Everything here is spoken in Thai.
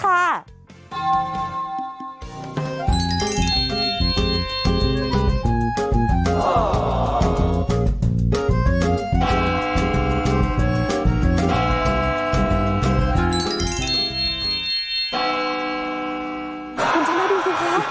คุณชาวน้อยดูสิคะ